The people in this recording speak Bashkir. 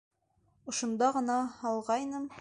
Ошонда ғына һалғайным.